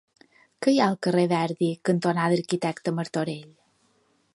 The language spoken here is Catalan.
Què hi ha al carrer Verdi cantonada Arquitecte Martorell?